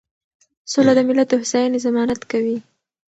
سوله د ملت د هوساینې ضمانت کوي.